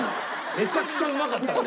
めちゃくちゃうまかったんで。